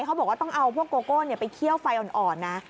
เขาบอกว่าต้องเอาพวกโกโก้ไปเคี่ยวไฟอ่อนนะ